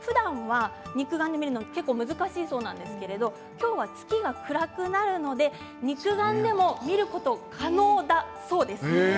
肉眼で見るのが難しいそうですが今日は月が暗くなるので肉眼でも見ることが可能だそうです。